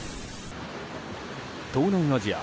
東南アジア